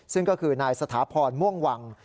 ซึ่งก็คือนายสถาพรม่วงวัง